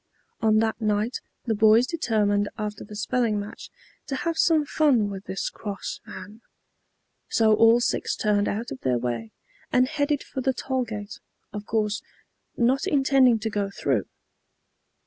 On that night the boys determined after the spelling match to have some fun with this cross man. So all six turned out of their way, and headed for the toll gate, of course, not intending to go through.